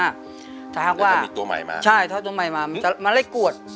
ถ้ามีตัวใหม่มาอเจมส์ใช่ถ้ามีตัวใหม่มามันจะมาเล็กกวด